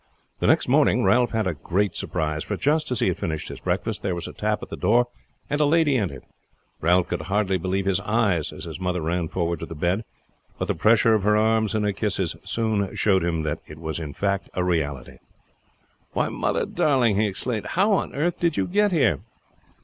The next morning Ralph had a great surprise; for just as he had finished his breakfast there was a tap at the door, and a lady entered. Ralph could hardly believe his eyes as his mother ran forward to the bed. But the pressure of her arms and her kisses soon showed him that it was a reality. "Why, mother darling!" he exclaimed, "how on earth did you get here?"